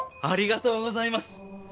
ありがとうございます！